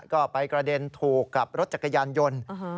ก็ไปกระเด็นถูกกับรถจักรยานยนต์